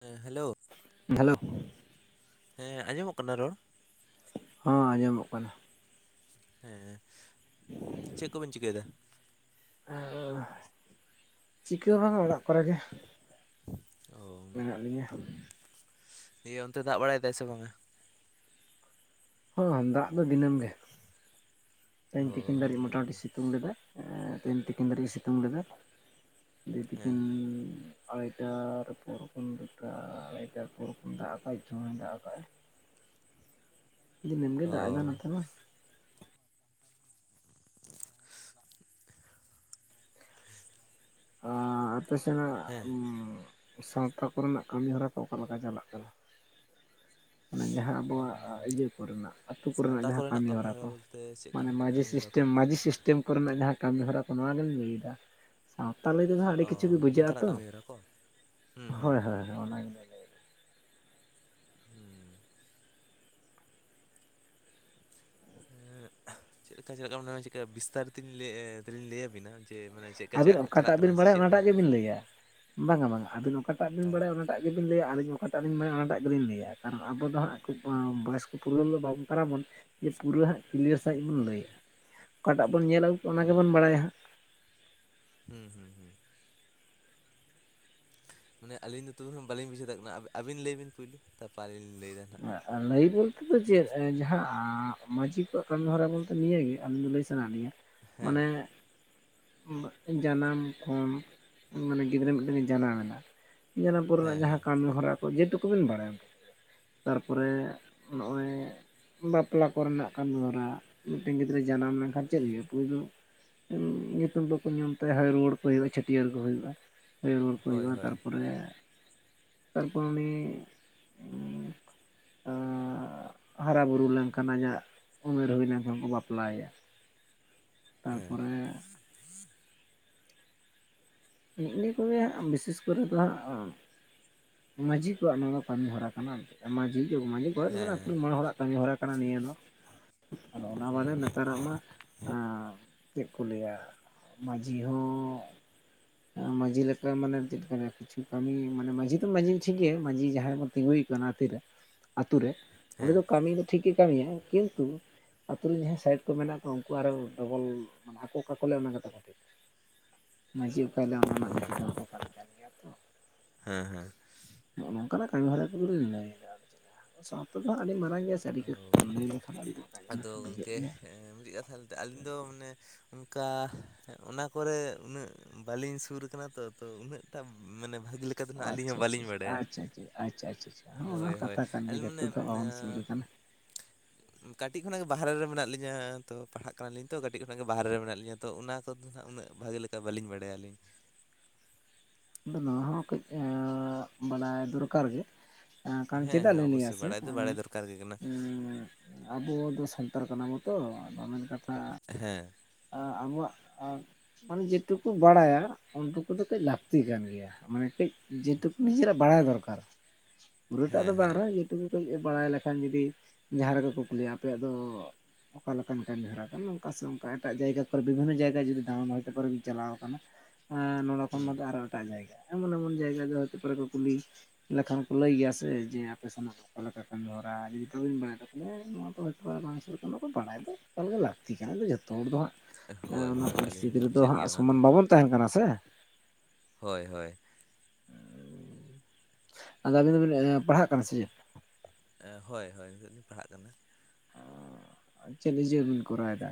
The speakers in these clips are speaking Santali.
ᱦᱮᱸ ᱦᱮᱞᱳ ᱦᱮᱞᱳ ᱦᱮᱸ ᱟᱸᱡᱚᱢᱚᱜ ᱠᱟᱱᱟ ᱨᱚᱲ ᱦᱚᱸ ᱟᱸᱡᱚᱢᱚᱜ ᱠᱟᱱᱟ ᱦᱮᱸ ᱪᱮᱫ ᱠᱚᱵᱤᱱ ᱪᱤᱠᱟᱹᱭᱮᱫᱟ? [inaudible] ᱪᱤᱠᱟᱹ ᱵᱟᱝ ᱚᱲᱟᱜ ᱠᱚᱨᱮ ᱜᱮ᱾ ᱚ ᱢᱮᱱᱟᱜ ᱞᱤᱧᱟᱹ ᱤᱭᱟᱹ ᱚᱱᱛᱮ ᱫᱟᱜ ᱵᱟᱲᱟᱭᱮᱫᱟ ᱥᱮ ᱵᱟᱝ-ᱟ? ᱦᱚᱸ ᱫᱟᱜ ᱫᱚ ᱫᱤᱱᱟᱹᱢ ᱜᱮ ᱛᱮᱦᱮᱧ ᱛᱤᱠᱤᱱ ᱚ ᱫᱟᱨᱤᱡ ᱢᱚᱴᱟ ᱫᱤᱱᱟᱹᱢ ᱢᱩᱴᱤ ᱜᱮ ᱥᱤᱛᱩᱝ ᱞᱮᱫᱟᱭ ᱾ ᱮ ᱛᱤᱠᱤᱱ ᱫᱷᱟᱹᱨᱤᱡ ᱥᱤᱛᱩᱝ ᱞᱮᱫᱟᱭ ᱛᱤᱦᱤᱧ ᱦᱮᱸ ᱛᱤᱠᱤᱱ ᱦᱚᱭᱫᱟᱨ ᱯᱩᱨᱩᱵ ᱠᱷᱚᱱ ᱫᱚ ᱴᱚᱴᱷᱟ [inaudible] [inaudible] ᱫᱟᱜ ᱟᱠᱟᱫ ᱟᱭ ᱫᱤᱱᱟᱹᱢ ᱜᱮ ᱚ ᱫᱟᱜ ᱮᱫᱟ ᱱᱚᱛᱮ ᱢᱟ [unintelligible] ᱟ ᱟᱯᱮ ᱥᱮᱱᱟᱜ ᱦᱮᱸ ᱥᱟᱶᱛᱟ ᱠᱚᱨᱮᱱᱟᱜ ᱠᱟᱹᱢᱤ ᱦᱚᱨᱟ ᱠᱚ ᱚᱠᱟ ᱞᱮᱠᱟ ᱪᱟᱞᱟᱜ ᱠᱟᱱᱟ? ᱚᱱᱟ ᱡᱟᱦᱟᱸ ᱟᱵᱚᱣᱟᱜ ᱩᱸ ᱤᱭᱟᱹ ᱠᱚᱨᱮᱱᱟᱜ ᱟᱹᱛᱩ ᱠᱚᱨᱮᱱᱟᱜ ᱥᱟᱶᱛᱟ ᱡᱟᱦᱟᱸ ᱠᱟᱹᱢᱤ ᱦᱚᱨᱟ ᱠᱟᱹᱢᱤᱦᱚᱨᱟ ᱠᱚ ᱵᱚᱞᱛᱮ ᱪᱮᱫ ᱢᱟᱱᱮ ᱠᱟᱱ ᱢᱟᱹᱡᱷᱤ ᱠᱟᱹᱢᱤᱦᱚᱨᱟ ᱠᱚ ᱥᱤᱥᱴᱮᱢ ᱢᱟᱟᱹᱡᱷᱤ ᱥᱤᱥᱴᱮᱢ ᱠᱚᱨᱮᱱᱟᱜ ᱡᱟᱦᱟᱸ ᱠᱟᱹᱢᱤ ᱦᱚᱨᱟ ᱠᱚ ᱱᱚᱣᱟᱜᱤᱢ ᱞᱟᱹᱭᱮᱫᱟ ᱛᱟᱦᱚᱞᱮ ᱛᱮᱫᱚ ᱦᱟᱸᱜ ᱚ ᱟᱹᱰᱤ ᱠᱤᱪᱷᱩ ᱜᱮ ᱵᱩᱡᱷᱟᱹᱣᱜ-ᱟ ᱱᱚᱝᱠᱟᱱᱟᱜ ᱛᱚ ᱠᱟᱹᱢᱤᱦᱚᱨᱟ ᱠᱚ ᱦᱩᱸ ᱦᱩᱸ ᱦᱳᱭ ᱦᱳᱭ ᱚᱱᱟᱜᱮ ᱦᱩᱸ ᱦᱮᱸ ᱪᱮᱫ ᱞᱮᱠᱟ ᱪᱮᱫ ᱞᱮᱠᱟ ᱪᱮᱫ ᱵᱤᱥᱛᱟᱨ ᱛᱮᱧ ᱞᱟᱹᱭ ᱞᱟᱹᱭᱟᱵᱤᱱᱟ ᱡᱮ ᱢᱟᱱᱮ ᱪᱮᱫᱠᱟ ᱪᱟ ᱟᱹᱵᱤᱱ ᱪᱟᱞᱟᱜ ᱚᱠᱟᱴᱟᱜ ᱠᱟᱱᱟ ᱵᱤᱱ ᱥᱮ ᱵᱟᱲᱟᱭᱟ ᱪᱮᱫᱠᱟ ᱚᱱᱟᱴᱟᱜ ᱜᱮᱵᱤᱱ ᱞᱟᱹᱭᱟ ᱵᱟᱝᱟ ᱵᱟᱝᱟ ᱟᱹᱵᱤᱱ ᱚᱠᱟᱴᱟᱜ ᱵᱤᱱ ᱟᱨ ᱵᱟᱲᱟᱭᱟ ᱚᱱᱟᱜ ᱟᱹᱵᱤᱱ ᱵᱤᱱ ᱞᱟᱹᱭᱟ ᱟᱹᱞᱤᱧ ᱚᱠᱟᱴᱟᱜ ᱵᱟᱲᱟᱭᱟ ᱚᱱᱟᱴᱟᱜ ᱞᱤᱧ ᱞᱟᱹᱭᱟ ᱠᱟᱨᱚᱱ ᱟᱵᱚ ᱫᱚ ᱴᱷᱤᱠ ᱦᱟᱸᱜ ᱵᱷᱚᱭᱮᱥ ᱠᱚ ᱯᱩᱨᱚᱱ ᱫᱚ ᱵᱟᱝ ᱠᱟᱱᱟᱵᱚᱱ ᱡᱮ ᱯᱩᱨᱟᱹ ᱦᱟᱸᱜ ᱠᱞᱤᱭᱟᱨ ᱥᱟᱺᱦᱤᱡ ᱵᱚᱱ ᱞᱟᱹᱭᱟ ᱚᱠᱟᱴᱟᱜ ᱵᱚᱱ ᱧᱮᱞᱟ ᱚᱱᱟ ᱩᱸ ᱜᱮᱵᱚᱱ ᱵᱟᱲᱟᱭᱟ ᱦᱟᱸᱜ ᱦᱩᱸ ᱦᱩᱸ ᱦᱩᱸ ᱢᱟᱱᱮ ᱟᱹᱞᱤᱧ ᱫᱚ ᱛᱚᱵ ᱦᱚᱸ ᱵᱟᱹᱞᱤᱧ ᱟᱹᱞᱤᱧ ᱵᱩᱡᱷᱟᱹᱣ ᱫᱟᱲᱤᱭᱟᱜ ᱠᱟᱱᱟ ᱟᱹᱵᱤᱱ ᱞᱟᱹᱭ ᱵᱤᱱ ᱯᱳᱭᱞᱳ ᱛᱟᱨᱯᱚᱨ ᱟᱹᱞᱤᱧ ᱞᱟᱹᱭᱫᱟ ᱱᱟ ᱦᱟᱸᱜ ᱞᱟᱹᱭ ᱵᱚᱞᱛᱮ ᱫᱚ ᱪᱮᱫ ᱡᱟᱦᱟᱸ ᱟᱺ ᱢᱟᱺᱡᱷᱤ ᱠᱟᱹᱢᱤ ᱦᱚᱨᱟ ᱵᱚᱞᱛᱮ ᱱᱤᱭᱟᱹᱜᱮ ᱟᱹᱞᱤᱧ ᱫᱚ ᱞᱟᱹᱭ ᱥᱟᱱᱟ ᱞᱤᱧᱟᱹ ᱦᱮᱸ ᱢᱟᱱᱮ ᱡᱟᱱᱟᱢ ᱠᱷᱚᱱ ᱢᱟᱱᱮ ᱜᱤᱫᱽᱨᱟᱹ ᱢᱤᱫ ᱴᱮᱱ ᱡᱟᱱᱟᱢ ᱢᱮᱱᱟ ᱡᱟᱱᱟᱢ ᱦᱮᱸ ᱯᱚᱨᱮᱱᱟᱜ ᱡᱟᱦᱟᱸ ᱦᱮᱸ ᱠᱟᱹᱢᱤ ᱦᱚᱨᱟ ᱠᱚ ᱡᱮᱴᱩᱠᱩ ᱵᱮᱱ ᱵᱟᱲᱟᱭᱟ ᱛᱟᱨᱯᱚᱨᱮ ᱱᱚᱜ-ᱚᱭ ᱵᱟᱯᱞᱟ ᱠᱚᱨᱮᱱᱟᱜ ᱠᱟᱹᱢᱤᱦᱚᱨᱟ᱾ ᱢᱤᱫ ᱴᱮᱱ ᱜᱤᱫᱽᱨᱟᱹ ᱡᱟᱱᱟᱢ ᱞᱮᱱᱠᱷᱟᱱ ᱪᱮᱫ ᱦᱩᱭᱩᱜ-ᱟ ᱯᱩᱭᱞᱩ? ᱧᱩᱛᱩᱢ ᱫᱚᱠᱚ ᱧᱩᱢ ᱛᱟᱭᱟ ᱟᱨ ᱨᱩᱣᱟᱹᱲ ᱠᱚ ᱦᱩᱭᱩᱜ-ᱟ ᱪᱷᱟᱹᱴᱭᱟᱹᱨ ᱠᱚ ᱦᱩᱭᱩᱜ-ᱟ ᱾ ᱦᱩᱭ ᱨᱩᱣᱟᱹᱲ ᱠᱚ ᱦᱳᱭ ᱦᱩᱭᱩᱜᱼᱟ ᱦᱳᱭ ᱛᱟᱨᱯᱚᱨᱮ ᱛᱟᱨᱯᱚᱨ ᱩᱱᱤ [inaudible] ᱦᱟᱨᱟ - ᱵᱩᱨᱩ ᱞᱮᱱᱠᱷᱟᱱ ᱟᱡᱟᱜ ᱩᱢᱮᱨ ᱦᱩᱭ ᱞᱮᱱᱠᱷᱟᱱ ᱠᱚ ᱵᱟᱯᱞᱟᱭᱮᱭᱟ ᱦᱮᱸ ᱛᱟᱨᱯᱚᱨᱮ ᱱᱮᱜ ᱱᱤᱭᱟᱹ ᱠᱚᱜᱮ ᱵᱤᱥᱮᱥ ᱠᱚᱨᱮ ᱫᱚ ᱦᱟᱸᱜ ᱢᱟᱺᱡᱷᱤ ᱠᱚᱣᱟᱜ ᱱᱚᱣᱟ ᱫᱚ ᱠᱟᱹᱢᱤ ᱦᱚᱨᱟ ᱠᱟᱱᱟ ᱾ ᱢᱟᱹᱡᱷᱤ ᱡᱚᱜ ᱢᱟᱹᱡᱷᱤ [inaudible] ᱟᱹᱛᱩ ᱦᱮᱸ ᱢᱚᱬᱮ ᱦᱚᱲᱟᱜ ᱠᱟᱹᱢᱤ ᱦᱚᱨᱟ ᱠᱟᱱᱟ ᱱᱤᱭᱟᱹ ᱫᱚ ᱟᱫᱚ ᱚᱱᱟ ᱦᱩᱸ ᱵᱟᱫᱮ ᱦᱩᱸ ᱱᱮᱛᱟᱨᱟᱜ ᱢᱟ ᱟᱸ ᱪᱮᱫ ᱠᱩ ᱞᱟᱹᱭᱟ ᱢᱟᱹᱡᱷᱤ ᱦᱚᱸ ᱢᱟᱹᱡᱷᱤ ᱞᱮᱠᱟ ᱢᱟᱱᱮ ᱪᱮᱫ ᱠᱟᱱᱟ? ᱠᱤᱪᱷᱩ ᱠᱟᱹᱢᱤ ᱢᱟᱱᱮ ᱢᱟᱹᱡᱷᱤ ᱛᱚ ᱢᱟᱹᱡᱷᱤ ᱴᱷᱤᱠ ᱜᱮᱭᱟ ᱢᱟᱹᱡᱷᱤ ᱡᱟᱦᱟᱸᱭ ᱵᱚ ᱛᱤᱸᱜᱩᱭᱮ ᱠᱟᱱᱟ ᱵᱟᱥᱛᱤ ᱟᱛᱩ ᱨᱮ ᱩᱱᱤ ᱫᱚ ᱦᱮᱸ ᱠᱟᱹᱢᱤ ᱫᱚ ᱴᱷᱤᱠᱮ ᱠᱟᱹᱢᱤᱭᱟ, ᱠᱤᱱᱛᱩ ᱟᱛᱩ ᱨᱮᱱ ᱡᱟᱦᱟᱸᱭ ᱥᱟᱭᱤᱰ ᱠᱚ ᱢᱮᱱᱟᱜ ᱠᱚ ᱩᱱᱠᱩ ᱟᱨᱚ ᱰᱚᱵᱚᱞ ᱢᱟᱱᱮ ᱟᱠᱚ ᱚᱠᱟ ᱠᱚ ᱞᱟᱹᱭ ᱚᱱᱟ ᱠᱟᱛᱷᱟ ᱠᱚ ᱴᱷᱤᱠ ᱢᱟᱹᱡᱷᱤ [unintelligible] ᱠᱟᱱ ᱚ ᱜᱮᱭᱟ ᱛᱚ ᱦᱮᱸ ᱦᱮᱸ ᱱᱚᱜᱼᱚ ᱱᱚᱝᱠᱟᱱᱟᱜ ᱠᱟᱹᱢᱤ ᱦᱚᱨᱟ ᱠᱚᱜᱮᱞᱤᱧ ᱞᱟᱹᱭᱫᱟ ᱥᱟᱶᱛᱟ ᱫᱚ ᱟᱹᱰᱤ ᱢᱟᱨᱟᱝ ᱜᱮᱭᱟ ᱪᱟᱹᱰᱤ ᱚ ᱠᱚ ᱠᱟᱹᱢ ᱟᱫᱚ ᱞᱮᱠᱷᱟᱱᱠᱚ [unintelligible] ᱵᱩᱡᱷᱟᱹᱜ ᱜᱚᱝᱠᱮ ᱜᱮᱭᱟ᱾ ᱢᱤᱫᱴᱤᱡ ᱠᱟᱛᱷᱟ ᱞᱟᱹᱭᱛᱮ ᱟᱹᱞᱤᱧ ᱫᱚ ᱢᱟᱱᱮ ᱚᱱᱠᱟ ᱚᱱᱟ ᱠᱚᱨᱮ ᱩᱱᱟᱹᱜ ᱵᱟᱹᱞᱤᱧ ᱥᱩᱨ ᱠᱟᱱᱟ ᱛᱚ ᱟᱫᱚ ᱩᱱᱟᱹᱜᱴᱟᱜ ᱢᱟᱱᱮ ᱵᱷᱟᱜᱤ ᱞᱮᱠᱟ ᱫᱚ ᱚ ᱱᱟᱜ ᱟᱹᱞᱤᱧ ᱟᱪᱪᱷᱟ ᱦᱚᱸ ᱟᱪᱷᱟ ᱵᱟᱹᱞᱤᱧ ᱪᱷᱟ ᱵᱟᱰᱟᱭᱟ ᱟᱪᱪᱷᱟ ᱟᱪᱪᱷᱟ ᱟᱪᱪᱷᱟ ᱟ ᱚᱱᱟ ᱦᱳᱭ ᱦᱳᱭ ᱠᱟᱛᱷᱟ ᱜᱮᱭᱟ ᱟᱹᱞᱤᱧ ᱢᱟᱱᱮ ᱡᱚᱛᱚ ᱫᱚ ᱵᱟᱵᱚᱱ ᱥᱚᱫᱩᱨ ᱠᱟᱱᱟ ᱠᱟᱹᱴᱤᱡ ᱠᱷᱚᱱᱟᱜ ᱜᱮ ᱵᱟᱦᱨᱮ ᱨᱮ ᱢᱮᱱᱟᱜ ᱞᱤᱧᱟᱹ᱾ ᱛᱚ ᱯᱟᱲᱦᱟᱜ ᱠᱟᱱᱟᱞᱤᱧ ᱛᱚ ᱠᱟᱹᱴᱤᱡ ᱠᱷᱚᱱᱟᱜ ᱜᱮ ᱵᱟᱦᱨᱮ ᱨᱮ ᱢᱮᱱᱟᱜ ᱞᱤᱧᱟᱹ᱾ ᱛᱚ ᱛᱚ ᱚᱱᱟ ᱠᱚᱫᱚ ᱱᱟᱜ ᱩᱱᱟᱹᱜ ᱵᱷᱟᱜᱮ ᱞᱮᱠᱟ ᱵᱟᱹᱞᱤᱧ ᱵᱟᱲᱟᱭᱟᱞᱤᱧ ᱟᱫᱚ ᱱᱚᱣᱟ ᱦᱚᱸ ᱠᱟᱹᱡ ᱟ ᱵᱟᱲᱟᱭ ᱫᱚᱨᱠᱟᱨ ᱜᱮ ᱦᱮᱸ ᱪᱮᱫᱟᱜ ᱦᱮᱸ ᱞᱤᱱ ᱞᱟᱹᱭ ᱚᱵᱚᱥᱥᱳᱭ ᱟᱥᱮ ᱵᱟᱲᱟᱭ ᱫᱚ ᱵᱟᱲᱟᱭ ᱫᱚᱨᱠᱟᱨ ᱜᱮ ᱠᱟᱱᱟ ᱮᱸᱻ ᱟᱵᱚ ᱫᱚ ᱥᱟᱱᱛᱟᱲ ᱠᱟᱱᱟᱵᱛᱚ ᱟᱫᱚ ᱢᱮᱱ ᱠᱟᱛᱷᱟ ᱦᱮᱸ ᱟᱵᱚᱣᱟᱜ ᱢᱟᱱᱮ ᱡᱮᱴᱩᱠᱩ ᱵᱟᱲᱟᱭᱟ ᱩᱱᱴᱩᱠᱩ ᱫᱚ ᱠᱟᱹᱡ ᱞᱟᱵᱷ ᱞᱟᱹᱠᱛᱤ ᱠᱟᱱ ᱜᱮᱭᱟ ᱢᱟᱱᱮ ᱠᱟᱹᱡ ᱡᱮᱴᱩᱠᱩ ᱱᱤᱡᱮᱨᱟᱜ ᱵᱟᱲᱟᱭ ᱫᱚᱨᱠᱟᱨ ᱯᱩᱨᱟᱹᱴᱟᱜ ᱦᱮᱸ ᱫᱚ ᱦᱮᱸ ᱵᱟᱝᱨᱮᱦᱚᱸ ᱴᱩ ᱠᱟᱹᱡ ᱵᱟᱲᱟᱭ ᱞᱮᱠᱷᱟᱱ ᱡᱩᱫᱤ ᱡᱟᱦᱟᱸ ᱨᱮᱜᱮ ᱠᱚ ᱠᱩᱞᱤᱭᱤᱭᱟ ᱟᱯᱮᱭᱟᱜ ᱫᱚ ᱚᱠᱟ ᱞᱮᱠᱟᱱ ᱠᱟᱹᱢᱤ ᱦᱚᱨᱟ ᱠᱟᱱᱟ ᱚᱱᱠᱟ ᱥᱮ ᱚᱱᱠᱟ ᱮᱴᱟᱜ ᱡᱟᱭᱜᱟ ᱠᱚᱨᱮ ᱵᱤᱵᱷᱤᱱᱱᱚ ᱡᱟᱭᱜᱟ ᱡᱩᱫᱤ ᱫᱟᱬᱟᱱ [unintelligible] ᱠᱚᱨᱮ ᱵᱤᱱ ᱪᱟᱞᱟᱣ ᱟᱠᱟᱱᱟ ᱱᱚᱰᱮ ᱠᱷᱚᱱ ᱦᱩᱸ ᱱᱚᱰᱮ ᱟᱨᱚ ᱮᱴᱟᱜ ᱡᱟᱭᱜᱟ ᱮᱢᱚᱱ ᱮᱢᱚᱱ ᱡᱟᱭᱜᱟ ᱫᱚ ᱦᱚᱭᱛᱚ ᱯᱚᱨᱮ ᱠᱩ ᱠᱩᱞᱤ ᱞᱮᱠᱷᱟᱱ ᱠᱚ ᱞᱟᱹᱭ ᱜᱮᱭᱟ ᱥᱮ ᱡᱮ ᱟᱯᱮ ᱥᱮᱱ ᱚᱠᱟ ᱞᱮᱠᱟ ᱠᱟᱹᱢᱤ ᱦᱚᱨᱟ ᱡᱩᱫᱤ ᱠᱟᱹᱢᱤ ᱵᱟᱲᱟᱭ ᱫᱟ ᱦᱮ [unintelligible] ᱵᱟᱝ ᱵᱟᱲᱟᱭ ᱫᱚ ᱛᱟᱦᱞᱮ ᱞᱟᱹᱠᱛᱤ ᱠᱟᱱᱟ ᱡᱚᱛᱚ ᱦᱚᱲ ᱫᱚ ᱦᱟᱸᱜ ᱦᱳᱭ ᱚᱱᱟ ᱦᱳᱭ ᱯᱚᱨᱤᱥᱛᱷᱤᱛᱤ ᱟᱹᱞᱤᱧ ᱦᱚᱞᱤᱧ ᱨᱮᱫᱚ ᱵᱩᱡᱮᱫ ᱦᱟᱜ ᱜᱮᱭᱟ ᱚᱱᱟ ᱫᱚ ᱥᱚᱢᱟᱱ ᱵᱟᱵᱚᱱ ᱛᱟᱦᱮᱱ ᱠᱟᱱᱟ ᱥᱮ ᱦᱳᱭ ᱦᱳᱭ ᱟᱫᱚ ᱟᱹᱵᱤᱱ ᱫᱚᱵᱤᱱ ᱯᱟᱲᱦᱟᱜ ᱠᱟᱱᱟ ᱥᱮ ᱪᱮᱫ ᱦᱳᱭ ᱦᱳᱭ ᱱᱤᱛᱳᱜ ᱞᱤᱧ ᱯᱟᱲᱦᱟᱜ ᱠᱟᱱᱟ ᱪᱮᱫ ᱡᱤᱭᱟᱹᱵᱤᱱ ᱠᱚᱨᱟᱣᱮᱫᱟ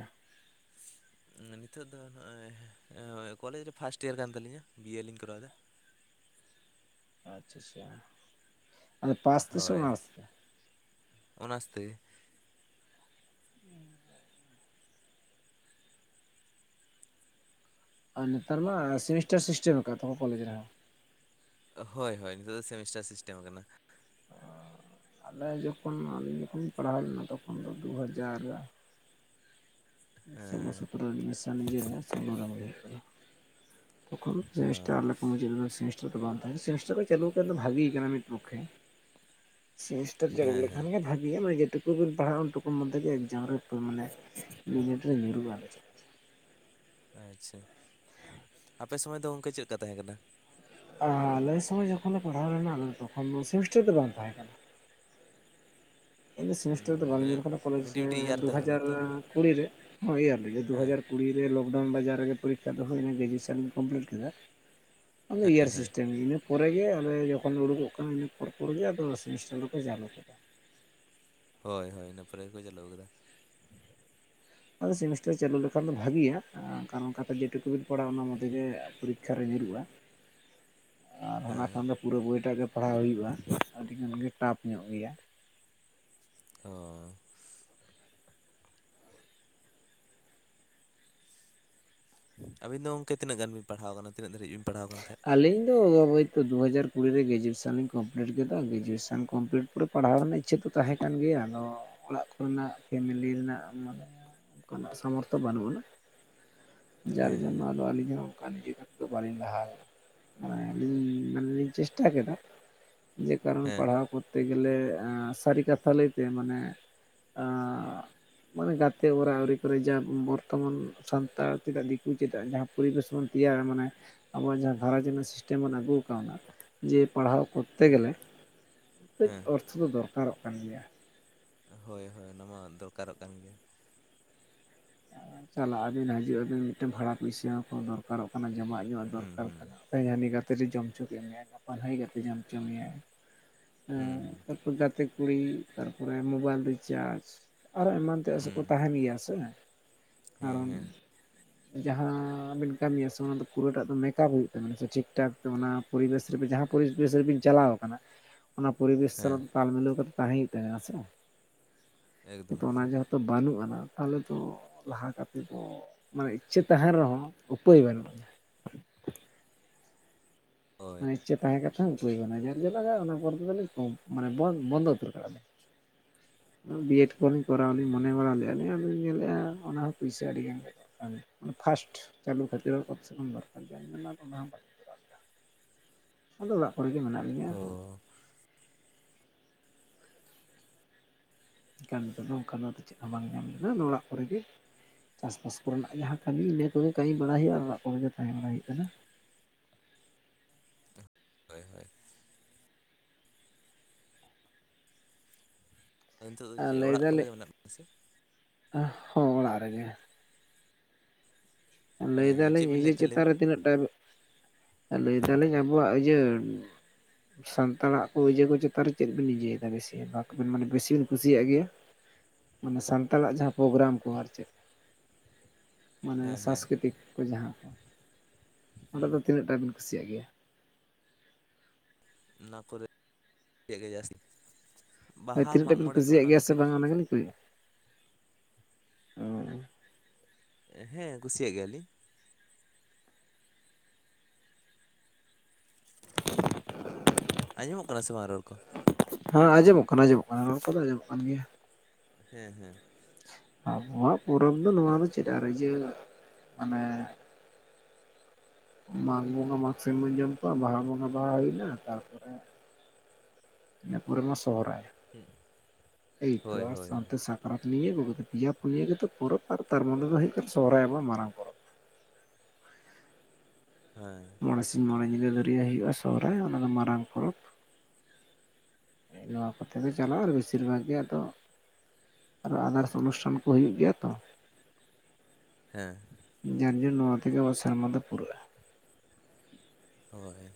ᱱᱤᱛᱚᱜ ᱫᱚ ᱱᱚᱜᱼᱚᱭ ᱠᱚᱞᱮᱡᱽ ᱨᱮ ᱯᱷᱟᱥᱴ ᱤᱭᱟᱨ ᱠᱟᱱ ᱛᱟᱞᱤᱧᱟ ᱵᱤᱭᱮ ᱞᱤᱧ ᱠᱚᱨᱟᱣᱫᱟ ᱟᱪᱷᱟ ᱟᱪᱷᱟ ᱦᱳᱭ ᱚᱱᱟᱥᱛᱮ [inaudible] ᱟᱨ ᱱᱮᱛᱟᱨ ᱢᱟ ᱥᱮᱢᱤᱥᱴᱟᱨ ᱥᱤᱥᱴᱮᱢ ᱟᱠᱟᱫ ᱛᱟᱠᱚ ᱠᱚᱞᱮᱡᱽ ᱨᱮᱦᱚᱸ ᱦᱳᱭ ᱦᱳᱭ ᱱᱤᱛᱚᱜ ᱫᱚ ᱥᱮᱢᱤᱥᱴᱟᱨ ᱥᱤᱥᱴᱮᱢ ᱠᱟᱱᱟ ᱟᱞᱮ ᱡᱚᱠᱷᱚᱱ ᱟᱹᱧ ᱡᱚᱠᱷᱚᱱᱤᱧ ᱯᱟᱲᱦᱟᱣ ᱞᱮᱱᱟ ᱛᱚᱠᱷᱚᱱ ᱫᱚ ᱫᱩ ᱦᱟᱡᱟᱨ ᱥᱳᱞᱞᱳ ᱦᱮᱸ ᱥᱚᱛᱨᱚ ᱮᱰᱢᱤᱥᱚᱱ ᱤᱭᱟᱹ ᱨᱮ ᱥᱳᱢᱳᱭ ᱮᱢ ᱦᱩᱭᱟ ᱠᱟᱱᱟ᱾ ᱛᱚᱠᱷᱚᱱ ᱥᱮᱢᱤᱥᱴᱟᱨ ᱦᱚᱸ ᱟᱞᱮ ᱠᱚ ᱢᱩᱪᱟᱹᱫ ᱨᱮᱞᱮ ᱥᱮᱢᱤ [unintelligible] ᱥᱮᱢᱤᱥᱴᱟᱨ ᱠᱚ ᱪᱟᱹᱞᱩ ᱠᱟᱱᱟ ᱵᱷᱟᱜᱤ ᱠᱟᱱᱟ ᱢᱤᱫ ᱯᱚᱠᱠᱷᱮ ᱥᱮᱤᱱᱤᱥᱴᱟᱨ ᱪᱟᱹᱞᱩ ᱦᱮᱸ ᱦᱮᱸ ᱞᱮᱠᱷᱟᱱ ᱜᱮ ᱵᱷᱟᱜᱮ ᱢᱟᱱᱮ ᱡᱮᱴᱩᱠᱩᱵᱤᱱ ᱯᱟᱲᱦᱟᱜᱼᱟ ᱩᱱᱴᱩᱠᱩ ᱢᱚᱫᱽᱫᱷᱮ ᱜᱮ ᱮᱠᱡᱟᱢ ᱨᱮ ᱢᱟᱱᱮ ᱧᱩᱨᱩᱜᱼᱟ ᱟᱞᱮᱫ ᱟᱪᱷᱟ ᱟᱯᱮ ᱥᱚᱢᱚᱭ ᱫᱚ ᱚᱱᱠᱟ ᱪᱮᱫᱠᱟ ᱛᱟᱦᱮᱸ ᱠᱟᱱᱟ᱾ ᱟᱨ ᱟᱞᱮ ᱥᱚᱢᱚᱭ ᱡᱚᱠᱷᱚᱱ ᱞᱮ ᱯᱟᱲᱦᱟᱣ ᱞᱮᱱᱟ ᱛᱚᱠᱷᱚᱱ ᱫᱚ ᱥᱮᱢᱤᱥᱴᱟᱨ ᱫᱚ ᱵᱟᱝ ᱛᱟᱦᱮᱸ ᱠᱟᱱᱟ᱾ ᱤᱧ ᱫᱚ ᱩᱸ ᱥᱮᱢᱤᱥᱴᱟᱨ ᱫᱚ ᱵᱟᱹᱧ ᱢᱟᱱᱮ ᱧᱮᱞ ᱠᱟᱱᱟ ᱠᱚᱞᱮᱡᱽ ᱢᱤᱫᱴᱤᱡ ᱢᱤᱫᱴᱤᱡ ᱤᱭᱟᱨ ᱛᱟᱦᱮᱸ ᱠᱟᱱᱟ ᱫᱩᱦᱟᱡᱟᱨ ᱛᱚ ᱠᱩᱲᱤ ᱨᱮ ᱤᱭᱟᱨ ᱨᱮ ᱫᱩ ᱦᱮᱸ ᱦᱟᱡᱟᱨ ᱠᱩᱲᱤ ᱨᱮ ᱞᱚᱠᱰᱟᱣᱩᱱ ᱵᱟᱡᱟᱨ ᱨᱮᱜᱮ ᱯᱚᱨᱤᱠᱠᱷᱟ ᱫᱚ ᱦᱩᱭᱱᱟ ᱜᱨᱮᱡᱩᱭᱮᱥᱚᱱ ᱠᱚᱢᱯᱞᱤᱴ ᱠᱮᱫᱟ ᱟᱫᱚ ᱤᱭᱟᱨ ᱦᱮᱸ ᱥᱤᱥᱴᱮᱢ ᱯᱚᱨᱮᱜᱮ ᱟᱞᱮ ᱡᱚᱠᱷᱚᱱ ᱞᱮ ᱩᱰᱩᱠᱚᱜ ᱠᱟᱱᱟ ᱤᱱᱟᱹ ᱯᱚᱨ ᱯᱚᱨ ᱜᱮ ᱟᱫᱚ ᱥᱮᱢᱤᱥᱴᱟᱨ ᱫᱚᱠᱚ ᱪᱟᱞᱩ ᱠᱮᱫᱟ᱾ ᱦᱳᱭ ᱦᱳᱭ ᱤᱱᱟᱹ ᱯᱚᱨᱮ ᱜᱮ ᱠᱚ ᱪᱟᱹᱞᱩ ᱠᱟᱫᱟ ᱟᱫᱚ ᱥᱮᱢᱤᱥᱴᱟᱨ ᱪᱟᱹᱞᱩ ᱞᱮᱠᱷᱟᱱ ᱫᱚ ᱵᱷᱟᱜᱮᱭᱟ ᱠᱟᱨᱚᱱ ᱚᱱᱠᱟᱛᱮ ᱡᱮᱴᱩᱠᱩᱵᱤᱱ ᱯᱟᱲᱟᱜᱼᱟ ᱚᱱᱟ ᱢᱚᱫᱽᱫᱷᱮ ᱜᱮ ᱯᱚᱨᱤᱠᱠᱷᱟ ᱨᱮ ᱧᱩᱨᱩᱜᱼᱟ᱾ [inaudible] ᱟᱨ ᱚᱱᱟ ᱦᱮᱸ ᱠᱷᱟᱱ ᱫᱚ ᱯᱩᱨᱟᱹ ᱵᱚᱭᱴᱟᱜ ᱜᱮ ᱯᱟᱲᱦᱟᱣ ᱦᱩᱭᱩᱜᱼᱟ ᱟᱹᱰᱤ ᱜᱟᱱ ᱜᱮ ᱴᱟᱯ ᱧᱚᱜ ᱜᱮᱭᱟ᱾ ᱦᱳᱭ ᱟᱹᱵᱤᱱ ᱫᱚ ᱜᱝᱠᱮ ᱛᱤᱱᱟᱹᱜ ᱜᱟᱱ ᱵᱤᱱ ᱯᱟᱲᱦᱟᱣ ᱠᱟᱱᱟ ᱛᱤᱱᱟᱹᱜ ᱫᱷᱟᱨᱤᱡ ᱵᱤᱱ ᱯᱟᱲᱦᱟᱣ ᱠᱟᱱ ᱛᱟᱦᱮᱸᱫ ᱟᱞᱤᱧ ᱫᱚ ᱦᱚᱭᱛᱚ ᱫᱩᱦᱟᱡᱟᱨ ᱠᱩᱲᱤ ᱨᱮ ᱜᱨᱮᱡᱩᱭᱮᱥᱚᱱ ᱞᱤᱧ ᱠᱚᱢᱯᱞᱤᱴ ᱠᱮᱫᱟ ᱜᱨᱮᱡᱩᱭᱮᱥᱚᱱ ᱠᱚᱢᱯᱞᱤᱴ᱾ ᱯᱩᱨᱟᱹ ᱯᱟᱲᱦᱟᱣ ᱨᱮᱱᱟᱜ ᱤᱪᱪᱷᱟᱹ ᱫᱚ ᱛᱟᱦᱮᱸ ᱠᱟᱱ ᱜᱮᱭᱟ ᱟᱫᱚ ᱚᱲᱟᱜ ᱠᱚᱨᱮᱱᱟᱜ ᱯᱷᱮᱢᱮᱞᱤ ᱨᱮᱱᱟᱜ ᱢᱟᱱᱮ ᱚᱱᱠᱟᱱᱟᱜ ᱥᱟᱢᱚᱨᱛᱷᱚ ᱵᱟᱹᱱᱩᱜ ᱟᱱᱟ ᱡᱟᱨ ᱦᱮᱸ ᱡᱚᱱᱱᱚ ᱦᱮᱸ ᱟᱫᱚ ᱟᱹᱞᱤᱧ ᱦᱚᱸ ᱚᱱᱠᱟ ᱱᱤᱡᱮ ᱫᱚ ᱵᱟᱹᱞᱤᱧ ᱞᱟᱦᱟ ᱞᱮᱱᱟ᱾ ᱟᱹᱞᱤᱧ ᱢᱟᱱᱮᱮᱞᱤᱧ ᱪᱮᱥᱴᱟ ᱠᱮᱫᱟ ᱡᱮ ᱠᱟᱨᱚᱱ ᱦᱮᱸ ᱯᱟᱲᱦᱟᱣ ᱠᱚ ᱛᱮ ᱜᱮᱞᱮ ᱥᱟᱹᱨᱤ ᱠᱟᱛᱷᱟ ᱞᱟᱹᱭᱛᱮ ᱢᱟᱱᱮ᱾ ᱢᱟᱱᱮ ᱜᱟᱛᱮ ᱚᱨᱟ ᱟᱹᱣᱨᱤ ᱠᱚᱨᱮ ᱡᱟ ᱵᱚᱨᱛᱚᱢᱟᱱ ᱥᱟᱱᱛᱟᱲ ᱪᱮᱫᱟᱜ ᱫᱤᱠᱩ ᱪᱮᱫᱟᱜ ᱡᱟᱦᱟᱸ᱾ ᱯᱚᱨᱤᱵᱮᱥ ᱰᱚᱱ ᱛᱮᱭᱟᱨᱟ ᱢᱟᱱᱮ ᱟᱵᱚᱣᱟᱜ ᱡᱟᱦᱟᱸ᱾ ᱟᱨᱦᱚ ᱡᱮᱢᱚᱱ ᱥᱤᱥᱴᱮᱢ ᱵᱚᱱ ᱟᱹᱜᱩ ᱠᱟᱣᱱᱟ ᱡᱮ ᱯᱟᱲᱦᱟᱣ ᱠᱚᱨᱛᱮ ᱦᱮᱸ ᱜᱮᱞᱮ ᱠᱟᱹᱡ ᱦᱮᱸ ᱚ ᱚᱛᱷᱚᱵᱟ ᱫᱚᱨᱠᱟᱨᱚᱜ ᱠᱟᱱ ᱜᱮᱭᱟ ᱦᱳᱭ ᱦᱳᱭ ᱚᱱᱟ ᱢᱟ ᱫᱚᱨᱠᱟᱨᱚᱜ ᱠᱟᱱ ᱜᱮᱭᱟ᱾ ᱪᱟᱞᱟᱜ ᱟᱹᱵᱤᱱ ᱦᱤᱡᱩᱜ ᱟᱹᱵᱤᱱ ᱢᱤᱫᱴᱮᱱ ᱵᱷᱟᱲᱟ ᱯᱩᱭᱥᱟᱹ ᱦᱚᱸ ᱛᱚ ᱫᱚᱨᱠᱟᱨᱚᱜ ᱠᱟᱱᱟ ᱡᱚᱢᱟᱜ ᱧᱩᱣᱟᱜ ᱦᱩᱸ ᱫᱚᱨᱠᱟᱨ ᱦᱩᱸ ᱠᱟᱱᱟ᱾ ᱛᱮᱦᱮᱧ ᱦᱟᱹᱱᱤ ᱜᱟᱛᱮ ᱨᱮ ᱡᱚᱢ ᱦᱚᱪᱚ ᱠᱮᱫ ᱢᱮᱭᱟᱭ ᱜᱟᱯᱟ ᱦᱟᱱᱤ ᱜᱟᱛᱮ ᱡᱚᱢ ᱦᱚᱪᱚ ᱢᱮᱭᱟᱭ ᱦᱩᱸ ᱦᱩᱸ ᱜᱟᱛᱮ ᱠᱩᱲᱤ ᱛᱟᱨᱯᱚᱨᱮ ᱢᱳᱚᱵᱟᱭᱤᱞ ᱨᱤᱪᱟᱨᱡᱽ᱾ ᱟᱨᱚ ᱮᱢᱟᱱ ᱛᱮᱭᱟᱜ ᱥᱮᱠᱚ ᱦᱩᱸ ᱛᱟᱦᱮᱱ ᱜᱮᱭᱟ ᱥᱮ ᱦᱮᱸ ᱠᱟᱨᱚᱱ᱾ ᱦᱮᱸ ᱡᱟᱦᱟᱸᱵᱤᱱ ᱠᱟᱹᱢᱤᱭᱟ ᱥᱮ ᱚᱱᱟ ᱫᱚ ᱯᱩᱨᱟᱹᱴᱟᱜ ᱫᱚ ᱢᱮᱠᱟᱯ ᱦᱩᱭᱩᱜ ᱛᱟᱵᱮᱱᱟ ᱥᱮ ᱴᱷᱤᱠ ᱴᱷᱟᱠ ᱛᱚ ᱚᱱᱟ ᱯᱚᱨᱤᱵᱮᱥ ᱨᱮᱵᱮ ᱡᱟᱦᱟᱸ ᱯᱚᱨᱤᱵᱮᱥ ᱨᱮᱵᱤᱱ ᱪᱟᱞᱟᱣ ᱠᱟᱱᱟ [inaudible] ᱚᱱᱟ ᱯᱚᱨᱤᱵᱮᱥ ᱦᱮᱸ ᱥᱟᱞᱟᱜ ᱛᱟᱞ ᱢᱤᱞᱟᱹᱣ ᱠᱟᱛᱮ ᱛᱟᱦᱮᱸ ᱦᱩᱭᱩᱜ ᱛᱟᱦᱮᱸ ᱥᱮ ᱮᱠᱫᱚᱢ ᱠᱤᱱᱛᱩ ᱚᱱᱟ ᱮᱠᱫᱚᱢ ᱡᱚ ᱛᱚ ᱵᱟᱹᱱᱩᱜ ᱟᱱᱟ ᱛᱟᱦᱚᱞᱮ ᱛᱚ᱾ ᱞᱟᱦᱟᱠᱟᱛᱮᱫ ᱫᱚ ᱢᱟᱱᱮ ᱤᱪᱪᱷᱟᱹ ᱛᱟᱦᱮᱱ ᱨᱮᱦᱚᱸ ᱩᱯᱟᱹᱭ ᱵᱟᱹᱱᱩᱜᱧ᱾ ᱦᱳᱭ ᱤᱪᱪᱟᱷ ᱛᱟᱦᱮᱸ ᱠᱟᱛᱮ ᱦᱚᱸ ᱩᱯᱟᱹᱭ ᱵᱟᱱᱩᱜ-ᱟ ᱡᱟᱨ ᱡᱟᱞᱟᱜᱟ-ᱟ ᱚᱱᱟ ᱯᱚᱨ ᱛᱮᱫᱚ ᱞᱤᱧ ᱠᱚᱢ ᱢᱟᱱᱮ ᱵᱚᱱᱫᱚ ᱵᱚᱱᱫᱷ ᱩᱛᱟᱹᱨ ᱠᱟᱜᱼᱟ ᱞᱮ᱾ ᱵᱤᱭᱮᱰ ᱠᱚᱞᱮᱡ ᱠᱚᱨᱟᱣ ᱚ ᱞᱤᱧ ᱢᱚᱱᱮ ᱵᱟᱲᱟ ᱞᱮᱫᱼᱟ ᱟᱫᱚᱧ ᱧᱮᱞᱮᱫᱼᱟ ᱚᱱᱟ᱾ ᱯᱩᱭᱥᱟ ᱟᱹᱰᱤᱜᱟᱱ ᱜᱮ ᱯᱷᱟᱥᱴ ᱪᱟᱹᱞᱩ ᱠᱷᱟᱹᱛᱤᱨ ᱦᱚᱸ ᱠᱚᱢ ᱥᱮ ᱠᱚᱢ ᱫᱚᱨ ᱠᱟᱨ ᱚᱱᱟ ᱦᱚᱸᱟᱭ, ᱟᱫᱚ ᱚᱲᱟᱜ ᱠᱚᱨᱮ ᱜᱮ ᱢᱮᱱᱟᱜ ᱞᱤᱧᱟᱹ ᱚ ᱮᱠᱟᱱ ᱱᱤᱛᱚᱜ ᱫᱚ ᱚᱱᱠᱟᱱᱟᱜ ᱪᱮᱫ ᱦᱚᱸ ᱵᱟᱝ ᱧᱟᱢ ᱞᱮᱫᱟ ᱟᱫᱚ ᱚᱲᱟᱜ ᱠᱚᱨᱮᱜ ᱜᱮ ᱪᱟᱥᱵᱟᱥ ᱠᱚᱨᱮᱱᱟᱜ ᱡᱟᱦᱟᱸ ᱠᱟᱹᱢᱤ ᱤᱱᱟᱹ ᱠᱚᱜᱮ ᱠᱟᱹᱢᱤ ᱵᱟᱲᱟᱭ ᱦᱩᱭᱩᱜᱼᱟ ᱟᱨ ᱚᱲᱟᱜ ᱠᱚᱨᱮ ᱜᱮ ᱛᱟᱦᱮᱸ ᱵᱟᱲᱟᱭ ᱦᱩᱭᱩᱜ ᱠᱟᱱᱟ᱾ ᱦᱳᱭ ᱦᱳᱭ᱾ ᱱᱤᱛᱚᱜ ᱫᱚ ᱟᱨ ᱪᱮᱫ ᱞᱟᱹᱭ ᱚᱲᱟᱜ ᱫᱟᱞᱮ ᱠᱚᱨᱮ ᱢᱮᱱᱟᱜ ᱵᱤᱱᱟ ᱥᱮ᱾ ᱦᱚᱸ ᱚᱲᱟᱜ ᱨᱮᱜᱮ᱾ ᱞᱟᱹᱭ ᱦᱮᱸ ᱦᱮᱸ ᱪᱮᱫ ᱫᱟᱞᱤᱧ ᱵᱤᱱ ᱤᱭᱟᱹ ᱞᱟᱹᱭᱮᱫ ᱛᱟᱦᱮᱸ ᱞᱟᱹᱭ ᱪᱮᱛᱟᱱ ᱵᱤᱱ ᱨᱮ ᱛᱤᱱᱟᱹᱜ ᱴᱟ ᱞᱟᱹᱭ ᱫᱟᱞᱤᱧ ᱟᱵᱚᱣᱟᱜ ᱤᱭᱟᱹ᱾ ᱥᱟᱱᱛᱟᱲᱟᱜ ᱚᱡᱮ ᱠᱚ ᱪᱮᱛᱟᱱ ᱨᱮ ᱪᱮᱫ ᱵᱤᱱ ᱤᱭᱟᱹᱭ ᱫᱟ ᱵᱮᱥᱤᱨ ᱵᱷᱟᱜ ᱟᱟᱵᱤᱱ ᱢᱟᱱᱮ ᱵᱮᱥᱤ ᱵᱤᱱ ᱠᱩᱥᱤᱭᱟᱜ ᱜᱮᱭᱟ᱾ ᱢᱟᱱᱮ ᱥᱟᱱᱛᱟᱲᱟᱜ ᱡᱟᱦᱟᱸ ᱯᱨᱳᱜᱨᱟᱢ ᱠᱚ ᱟᱨ ᱪᱮᱫ ᱢᱟᱱᱮ᱾ ᱦᱮᱸ ᱦᱮᱸ ᱠᱚ ᱡᱟᱦᱟᱸ ᱠᱚ ᱚᱸᱰᱮ ᱦᱩᱸ ᱫᱚ ᱛᱤᱱᱟᱹᱜ ᱴᱟᱵᱤᱱ ᱠᱩᱥᱤ ᱭᱟᱜ ᱜᱮᱭᱟ? ᱚᱱᱟ ᱠᱚᱨᱮ [inaudible] ᱡᱟᱹᱥᱛᱤ ᱵᱟᱦᱟ ᱛᱤᱱᱟᱹᱜ ᱴᱟ ᱢᱟᱜ ᱵᱤᱱ ᱢᱚᱬᱮ ᱠᱩᱥᱤᱭᱟᱜ ᱱᱚᱜ-ᱚᱱᱟ ᱜᱮᱭᱟ ᱠᱚᱜᱮ᱾ ᱥᱮ ᱵᱟᱝ ᱚᱱᱟ ᱜᱮᱞᱤᱧ ᱠᱩᱞᱤᱭᱮᱫ [inaudible] ᱵᱤᱱᱟ? ᱦᱮᱸ ᱠᱩᱥᱤᱭᱟᱜ ᱜᱮᱭᱟᱞᱤᱧ᱾ [unintelligible] ᱟᱸᱡᱚᱢᱚᱜ ᱠᱟᱱᱟ ᱥᱮ ᱵᱟᱝ ᱨᱚᱲ ᱠᱚ᱾ ᱦᱮᱸ ᱡᱚᱢᱚᱜ ᱠᱟᱱᱟ ᱟᱸᱡᱚᱢᱚᱜ ᱠᱟᱱᱟ ᱨᱚᱲ ᱠᱚ ᱫᱚ ᱟᱡᱚᱢᱟᱜ ᱠᱟᱱ ᱜᱮᱭᱟ᱾ ᱦᱮᱸ ᱦᱮᱸ᱾ ᱟᱵᱚᱣᱟᱜ ᱯᱚᱨᱚᱵᱽ ᱫᱚ ᱱᱚᱣᱟ ᱫᱚ ᱪᱮᱫ ᱟᱨ ᱤᱭᱟ ᱢᱟᱱᱮ᱾ ᱢᱟᱜᱽ ᱵᱚᱸᱜᱟ ᱢᱟᱜᱽ ᱥᱤᱢ ᱵᱟᱹᱧ ᱡᱚᱢ ᱠᱚᱣᱟ ᱵᱟᱦᱟ ᱵᱚᱸᱜᱟ ᱵᱟᱦᱟ ᱦᱩᱭᱱᱟ ᱛᱟᱨᱯᱚᱨᱮ᱾ ᱤᱱᱟᱹ ᱯᱚᱨᱮ ᱢᱟ ᱥᱚᱦᱚᱨᱟᱭ ᱮᱭ ᱛᱳ ᱦᱳᱭ ᱟᱨ ᱦᱳᱭ ᱦᱳᱭ ᱥᱟᱶᱛᱮ ᱯᱚᱨᱟᱽ ᱱᱤᱭᱟᱹ ᱠᱚᱜᱮ ᱯᱮᱭᱟ ᱯᱩᱱᱤᱭᱟᱹ ᱜᱮᱛᱚ ᱯᱚᱨᱚᱵᱽ ᱟᱨ ᱛᱟᱨᱢᱩᱫᱨᱮ ᱫᱚ ᱦᱩᱭᱩᱜ ᱠᱟᱱᱟ ᱥᱚᱨᱟᱭ ᱟᱵᱚᱣᱟᱜ ᱢᱟᱨᱟᱝ ᱯᱚᱨᱚᱵᱽ᱾ ᱦᱮᱸ᱾ ᱢᱚᱬᱮ ᱥᱤᱧ ᱢᱚᱬᱮ ᱧᱤᱫᱟᱹ ᱫᱷᱟᱹᱨᱭᱟᱹ ᱦᱩᱭᱩᱜᱼᱟ ᱥᱚᱦᱚᱨᱟᱭ ᱚᱱᱟᱫᱚ ᱢᱟᱨᱟᱝ ᱯᱚᱨᱚᱵᱽ ᱱᱚᱣᱟ ᱠᱚᱛᱮ ᱫᱚ ᱪᱟᱞᱟᱜᱼᱟ ᱟᱨ ᱵᱮᱥᱤᱨ ᱵᱷᱟᱜᱽ ᱜᱮ ᱟᱫᱚ ᱟᱨᱚ ᱟᱫᱟᱨᱥ ᱚᱱᱩᱥᱴᱷᱟᱱ ᱠᱚ ᱦᱩᱭᱩᱜ ᱜᱮᱭᱟ ᱛᱚ ᱦᱮᱸ ᱡᱟᱨ ᱡᱚᱱ ᱱᱚᱣᱟ ᱛᱮᱜᱮ ᱟᱵᱚ ᱥᱮᱨᱢᱟ ᱫᱚ ᱯᱩᱨᱟᱹᱜᱼᱟ ᱦᱳᱭ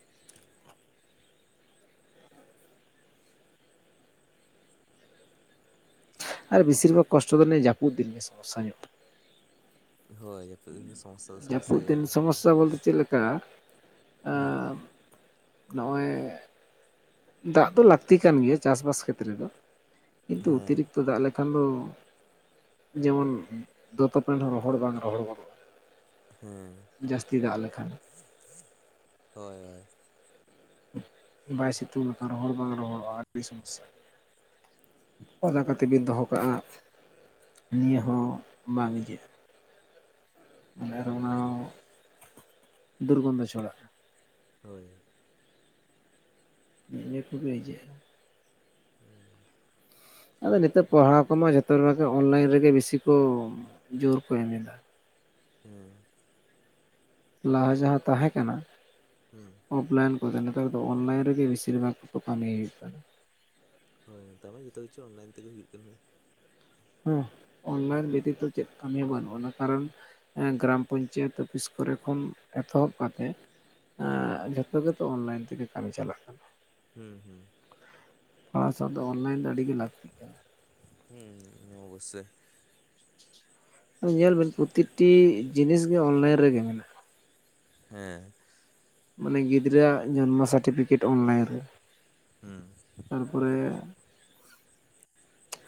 ᱟᱨ ᱵᱮᱥᱤᱨ ᱵᱷᱟᱜᱽ ᱠᱚᱥᱴᱚ ᱫᱚ ᱱᱤᱭᱟᱹ ᱡᱟᱹᱯᱩᱫ ᱫᱤᱱ ᱜᱮ ᱥᱚᱢᱚᱭᱥᱟ ᱧᱚᱜ᱾ ᱦᱳᱭ ᱡᱟᱹᱯᱩᱫ ᱫᱤᱱ ᱫᱚ ᱥᱚᱢᱚᱥᱟ ᱫᱚ ᱥᱚᱢᱚᱥᱟ ᱡᱟᱹᱯᱩᱫ ᱫᱤᱱ ᱜᱮᱭᱟ᱾ ᱥᱚᱢᱚᱥᱥᱟ [inaudible] ᱦᱮᱸ ᱱᱚᱜᱼᱚᱭ ᱫᱟᱜ ᱫᱚ ᱞᱟᱹᱠᱛᱤ ᱠᱟᱱ ᱜᱮᱭᱟ ᱪᱟᱥ ᱵᱟᱥ ᱠᱷᱮᱛ ᱨᱮ ᱫᱚ ᱠᱤᱱᱛᱩ ᱦᱮᱸ ᱚᱛᱤᱨᱤᱠᱛᱚ ᱫᱟᱜ ᱞᱟ ᱵᱟᱠᱷᱟᱱ ᱫᱚ ᱡᱮᱢᱚᱱ ᱫᱚᱛᱚ ᱯᱮᱱᱰ ᱦᱚᱸ ᱨᱚᱦᱚᱲ ᱵᱟᱝ ᱨᱚᱦᱚᱲ ᱜᱚᱫᱚᱜᱼᱟ ᱦᱮᱸ ᱡᱟᱹᱥᱛᱤ ᱫᱟᱜ ᱞᱮᱠᱷᱟᱱ ᱦᱳᱭ ᱦᱳᱭ ᱵᱟᱭ ᱥᱤᱛᱩᱝ ᱞᱮᱠᱷᱟᱱ ᱨᱚᱦᱚᱲ ᱵᱟᱝ ᱨᱚᱦᱚᱲᱚᱜᱼᱟ ᱟᱹᱰᱤ ᱥᱚᱢᱚᱭᱥᱟ ᱚᱫᱟ ᱠᱟᱛᱮ ᱵᱤᱱ ᱫᱚᱦᱚ ᱠᱟᱜᱼᱟ ᱱᱤᱭᱟᱹ ᱦᱚᱸ ᱵᱟᱝ ᱤᱭᱡᱟᱹᱜᱼᱟ᱾ ᱢᱚᱱᱮ ᱨᱮ ᱚᱱᱟ ᱦᱩᱸ ᱦᱚᱸ ᱫᱩᱨ ᱜᱚᱱᱫᱷᱚ ᱪᱷᱚᱲᱟᱜ-ᱟ᱾ ᱦᱳᱭ ᱱᱤᱭᱟᱹ ᱠᱚᱜᱮ ᱤᱭᱡᱟ. ᱜ-ᱟ᱾ ᱦᱩᱸ ᱟᱫᱚ ᱱᱤᱛᱚᱜ ᱯᱟᱲᱦᱟᱣ ᱠᱚᱢᱟ ᱡᱷᱚᱛᱚ ᱨᱮᱱᱟᱜ ᱚᱱᱞᱟᱭᱤᱱ ᱨᱮᱜᱮ ᱵᱤᱥᱤ ᱠᱚ ᱡᱳᱨ ᱠᱚ ᱮᱢ ᱮᱫᱟ᱾ ᱦᱮᱸ ᱞᱟᱦᱟ ᱡᱟᱦᱟᱸ ᱛᱟᱦᱮᱸ ᱠᱟᱱᱟ᱾ ᱦᱩᱸ ᱚᱯᱷᱞᱟᱭᱤᱱ ᱠᱚ ᱫᱚ ᱱᱮᱛᱟᱨ ᱫᱚ ᱚᱱᱞᱟᱭᱤᱱ ᱨᱮ ᱜᱮ ᱵᱤᱥᱤᱨ ᱵᱷᱟᱜᱽ ᱠᱚ ᱠᱟᱹᱢᱤ ᱮᱫᱟ ᱦᱳᱭ ᱱᱮᱛᱟᱨ ᱢᱟ ᱡᱚᱛᱚ ᱠᱤᱪᱷᱩ ᱚᱱᱞᱟᱭᱤᱱᱜ ᱛᱮᱜᱮ ᱦᱩᱭᱩᱜ ᱠᱟᱱᱟ᱾ ᱦᱮᱸ ᱚᱱᱞᱟᱭᱤᱱ [unintelligible] ᱪᱮᱫ ᱠᱟᱹᱢᱤ ᱵᱟᱹᱱᱩᱜ ᱟᱱᱟ ᱠᱟᱨᱚᱱ ᱦᱮᱸ ᱜᱨᱟᱢ ᱯᱚᱧᱪᱟᱭᱮᱛ ᱚᱯᱷᱤᱥ ᱠᱚᱨᱮ ᱠᱷᱚᱱ ᱮᱛᱚᱦᱚᱵᱽ ᱠᱟᱛᱮ ᱦᱩᱸ ᱡᱷᱚᱛᱚ ᱜᱮᱛᱚ ᱚᱱᱞᱟᱭᱤᱱ ᱛᱮᱜᱮ ᱠᱟᱹᱢᱤ ᱪᱟᱞᱟᱜ ᱠᱟᱱᱟ ᱦᱩᱸ ᱦᱩᱸ ᱯᱟᱲᱦᱟᱣ ᱥᱟᱶ ᱫᱚ ᱚᱱᱞᱟᱭᱤᱱ ᱫᱚ ᱟᱹᱰᱤ ᱜᱮ ᱞᱟᱹᱠᱛᱤᱜ ᱠᱟᱱᱟ ᱦᱩᱸ ᱚᱵᱚᱥᱚᱭ ᱧᱮᱞ ᱵᱮᱱ ᱯᱚᱛᱤᱴᱤ ᱡᱤᱱᱤᱥ ᱜᱮ ᱚᱱᱞᱟ. ᱭᱤᱱ ᱨᱮᱜᱮ ᱢᱮᱱᱟᱜᱼᱟ᱾ ᱦᱮᱸ ᱢᱟᱱᱮ ᱜᱤᱫᱽᱨᱟᱹᱦᱟᱜ ᱡᱚᱱᱢᱚ ᱥᱟᱴᱤᱯᱷᱤᱠᱮᱴ ᱚᱱᱞᱟᱭᱤᱱ ᱨᱮ᱾ ᱦᱩᱸ ᱛᱟᱨ ᱯᱚᱨᱮ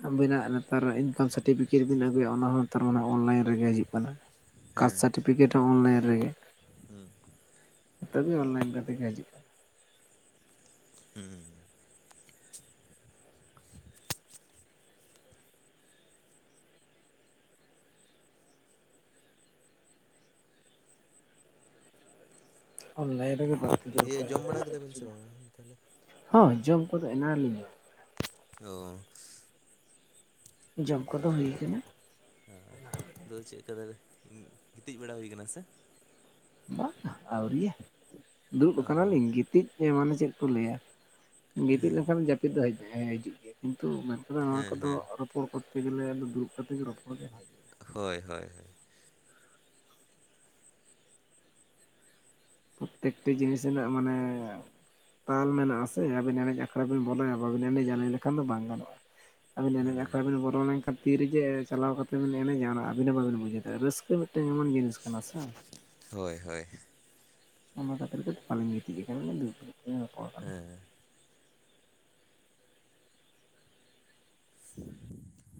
ᱟᱵᱤᱱᱟᱜ ᱛᱟᱨᱟ ᱤᱱᱠᱟᱢ ᱥᱟᱴᱤᱯᱷᱤᱠᱮᱴ ᱵᱤᱱ ᱟᱹᱜᱩᱭᱟ ᱚᱱᱟ ᱦᱚᱸ ᱛᱚᱨ ᱚᱱᱞᱟᱭᱤᱱ ᱨᱮᱜᱮ ᱦᱤᱡᱩᱜ ᱠᱟᱱᱟ ᱦᱮᱸ ᱠᱟᱥᱴᱥᱟᱴᱤᱯᱤᱠᱮᱴ ᱥᱟᱴᱤᱯᱤᱠᱮᱴ ᱦᱚᱸ ᱚᱱᱞᱟᱭᱤᱱ ᱨᱮᱜᱮ ᱦᱩᱸ ᱱᱮᱛᱟᱨ ᱫᱚ ᱚᱱᱞᱟᱭᱤᱱ ᱠᱟᱛᱮ ᱜᱮ ᱦᱤᱡᱩᱜ ᱠᱟᱱᱟ᱾ ᱦᱩᱸ ᱚᱱᱞᱟᱭᱤᱱ ᱨᱮᱜᱮ ᱫᱤᱭᱮ ᱫᱚᱨᱠᱟᱨ ᱡᱚᱢ ᱵᱟᱲᱟ ᱠᱮᱫᱟ ᱵᱤᱱ ᱥᱮ ᱵᱟᱝᱟ ᱛᱟᱦᱚᱞᱮ [inaudible] ᱦᱚᱸ ᱡᱚᱢ ᱠᱚᱫᱚ ᱮᱱᱟᱝ ᱨᱮ ᱞᱤᱧ ᱡᱚᱢ ᱠᱮᱫᱟ ᱚ ᱡᱚᱢ ᱠᱚᱫᱚ ᱦᱩᱭ ᱟᱠᱟᱱᱟ᱾ ᱦᱮ ᱟᱫᱚ ᱪᱮᱫ ᱞᱮᱠᱟ ᱛᱟᱦᱞᱮ ᱜᱤᱛᱤᱡ ᱵᱟᱲᱟ ᱦᱩᱭ ᱟᱠᱟᱱᱟ ᱥᱮ ᱵᱟᱝ ᱟᱹᱣᱨᱤᱭᱟᱹ ᱫᱩᱲᱩᱵ ᱚ ᱠᱟᱱᱟᱞᱤᱧ ᱜᱤᱛᱤᱡ ᱢᱟᱱᱮ ᱪᱮᱫ ᱠᱚ ᱞᱟᱹᱭᱟ ᱜᱤᱛᱤᱡ ᱞᱮᱠᱷᱟᱱ ᱡᱟᱹᱯᱤᱫ ᱫᱚ ᱦᱤᱡᱩᱜ ᱜᱮᱭᱟ ᱠᱤᱱᱛᱩ ᱢᱮᱱᱠᱷᱟᱱ [inaudible] ᱱᱚᱣᱟ ᱦᱮᱸ ᱠᱚᱫᱚ ᱦᱮᱸ ᱨᱚᱯᱚᱨ ᱠᱚᱛᱮ ᱜᱮ ᱞᱮ ᱫᱩᱨᱵ ᱠᱟᱛᱮ ᱜᱮ ᱨᱯᱚᱲ ᱜᱮ ᱵᱷᱟᱜᱤ, ᱦᱳᱭ ᱦᱳᱭ ᱦᱳᱭ ᱯᱨᱚᱛᱮᱠᱴᱤ ᱡᱤᱱᱤᱥ ᱨᱮᱱᱟᱜ ᱢᱟᱱᱮ ᱛᱟᱞ ᱢᱮᱱᱟᱜᱼᱟ ᱥᱮ ᱟᱵᱤᱱ ᱮᱱᱮᱡ ᱟᱠᱷᱲᱟ ᱵᱤᱱ ᱵᱚᱞᱚᱭᱟ ᱵᱟᱵᱤᱱ ᱮᱱᱮᱡᱼᱟ ᱞᱟᱹᱭ ᱞᱮᱠᱷᱟᱱ ᱫᱚ ᱵᱟᱝ ᱜᱟᱱᱚᱜᱼᱟ ᱟᱵᱤᱱ ᱮᱱᱮᱡ ᱦᱩᱸ ᱟᱠᱷᱲᱟ ᱵᱤᱱ ᱵᱚᱞᱚ ᱞᱮᱱᱠᱷᱟᱱ ᱛᱤ ᱨᱮᱡᱮ ᱪᱟᱞᱟᱣ ᱠᱟᱛᱮᱵᱮᱱ ᱮᱱᱮᱡᱟ ᱚᱱᱟ ᱟᱹᱵᱤᱱ ᱦᱚᱸ ᱵᱟᱹᱵᱤᱱ ᱵᱩᱡᱷᱟᱹᱣ ᱫᱟᱲᱮᱭᱟᱜ ᱨᱟᱹᱥᱠᱟᱹ ᱢᱤᱫᱴᱟᱝ ᱮᱢᱚᱱ ᱡᱤᱱᱤᱥ ᱠᱟᱱᱟ ᱥᱮ ᱦᱳᱭ ᱦᱳᱭ ᱚᱱᱟ ᱠᱷᱛᱤᱨ [unintelligible] ᱜᱤᱛᱤᱡ ᱜᱮᱭᱟ ᱫᱩ [unintelligible] ᱦᱮᱸ [inaudible]